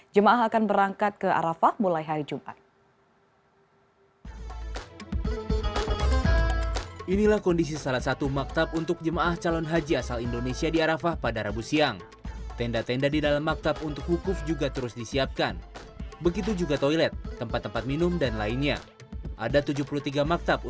jemaah akan berangkat ke arafah mulai hari jumat